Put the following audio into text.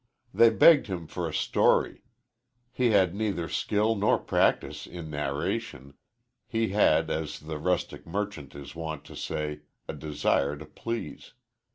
They begged him for a story, he had neither skill nor practice in narration, he had, as the rustic merchant is wont to say, a desire to please.